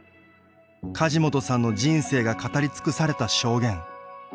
梶本さんの人生が語り尽くされた証言。